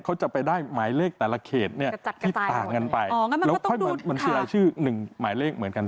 เขาจะไปได้หมายเลขแต่ละเขตเนี่ยที่ต่างกันไปแล้วค่อยมาบัญชีรายชื่อหนึ่งหมายเลขเหมือนกัน